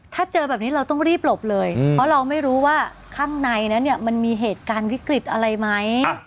ถ้าเจอแบบนี้เราต้องรีบหลบเลยเพราะเราไม่รู้ว่าข้างในนั้นเนี่ยมันมีเหตุการณ์วิกฤตอะไรไหม